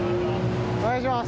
お願いします。